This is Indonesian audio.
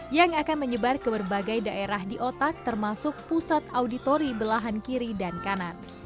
yang akan menyebar ke berbagai daerah di otak termasuk pusat auditori belahan kiri dan kanan